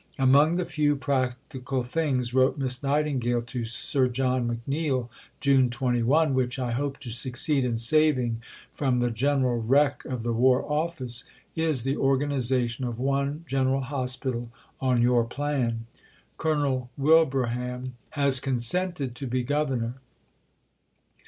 "Among the few practical things," wrote Miss Nightingale to Sir John McNeill (June 21), "which I hope to succeed in saving from the general wreck of the War Office is the organization of one General Hospital on your plan. Colonel Wilbraham has consented to be Governor.